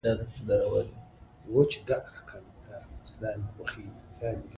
نحوي تېروتنه مانا بدلوي.